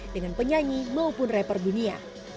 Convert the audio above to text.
dengan penyanyi maupun rapper dunia